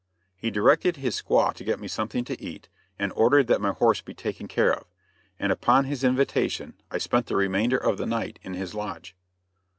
He directed his squaw to get me something to eat, and ordered that my horse be taken care of, and upon his invitation I spent the remainder of the night in his lodge.